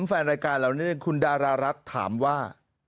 แฟนรายการเหล่านี้คุณดารารัฐถามว่า